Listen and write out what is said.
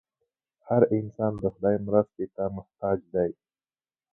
هر انسان د خدای مرستې ته محتاج دی.